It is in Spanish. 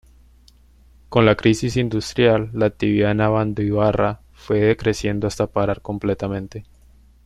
Con la crisis industrial, la actividad en Abandoibarra fue decreciendo hasta parar completamente.